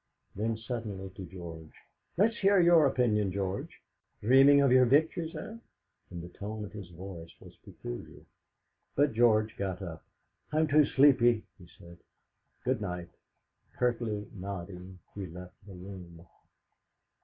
Then suddenly to George: "Let's hear your opinion, George. Dreaming of your victories, eh?" And the tone of his voice was peculiar. But George got up. "I'm too sleepy," he said; "good night." Curtly nodding, he left the room.